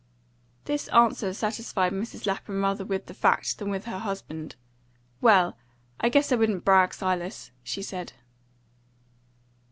This answer satisfied Mrs. Lapham rather with the fact than with her husband. "Well, I guess I wouldn't brag, Silas," she said.